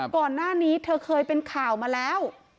ก่อนหน้านี้เธอเคยเป็นข่าวมาแล้ว